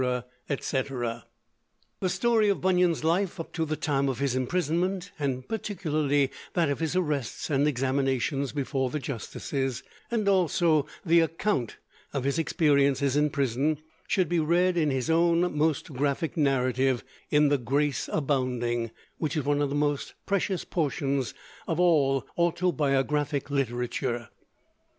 etc. The story of Bunyan's life up to the time of his imprisonment, and particularly that of his arrests and examinations before the justices, and also the account of his experiences in prison, should be read in his own most graphic narrative, in the 'Grace Abounding,' which is one of the most precious portions of all autobiographic literature.